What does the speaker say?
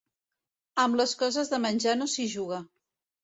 Amb les coses de menjar no s'hi juga.